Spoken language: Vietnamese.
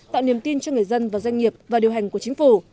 tạo niềm tin cho người dân và doanh nghiệp và điều hành của chính phủ